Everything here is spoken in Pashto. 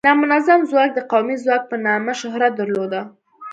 نامنظم ځواک د قومي ځواک په نامه شهرت درلوده.